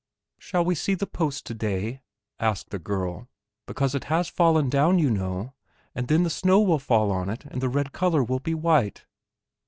"Shall we see the post today?" asked the girl, "because it has fallen down, you know, and then the snow will fall on it and the red color will be white."